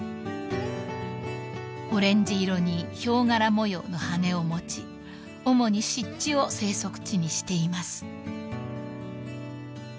［オレンジ色にヒョウ柄模様の羽を持ち主に湿地を生息地にしています］